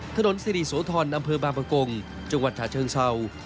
ถนนสิริโสธรอำเภอบางประกงจังหวัดฉะเชิงเศร้า